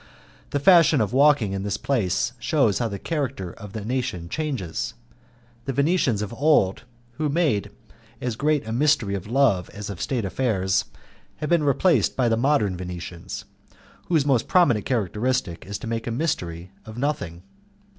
The fashion of walking in this place shews how the character of a nation changes. The Venetians of old time who made as great a mystery of love as of state affairs, have been replaced by the modern Venetians, whose most prominent characteristic is to make a mystery of nothing.